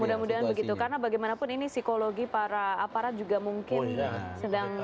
mudah mudahan begitu karena bagaimanapun ini psikologi para aparat juga mungkin sedang